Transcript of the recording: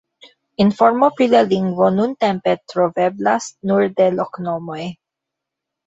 Informo pri la lingvo nuntempe troveblas nur de loknomoj.